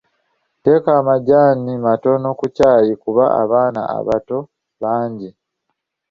Teeka amajjaani matono ku ccaai oyo kuba abaana abato bangi.